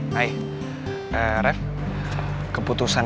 kalau populer middle day